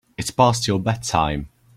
It's past your bedtime.